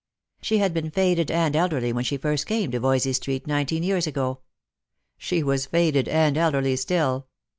She had been faded and elderly when she first came to Yoysey street, nineteen years ago. She was faded and elderly still.